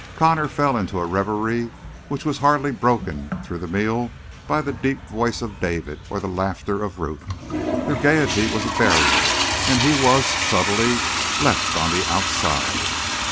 Connor fell into a reverie which was hardly broken through the meal by the deep voice of David or the laughter of Ruth. Their gayety was a barrier, and he was, subtly, left on the outside.